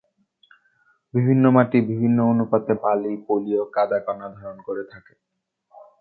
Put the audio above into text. বিভিন্ন মাটি বিভিন্ন অনুপাতে বালি, পলি ও কাদা কণা ধারণ করে থাকে।